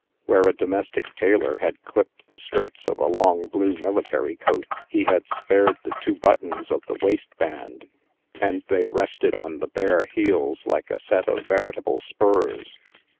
Where a do mestic tailor had clipped the skirts of a long blue military coat he had spared the two buttons of the waist band, and they rested on the bare heels like a set of veritable spurs.